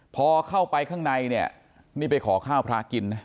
พอเข้าไปข้างในเนี่ยนี่ไปขอข้าวพระกินนะ